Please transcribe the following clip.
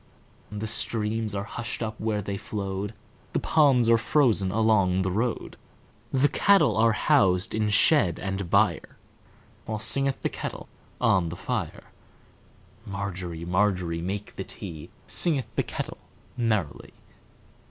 The streams are hushed up where they flowed, The ponds are frozen along the road, The cattle are housed in shed and byreWhile singeth the kettle on the fire. Margery, Margery, make the tea, Singeth the kettle merrily.